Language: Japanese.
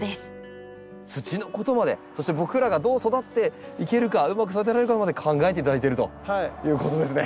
土のことまでそして僕らがどう育てていけるかうまく育てられるかまで考えて頂いてるということですね。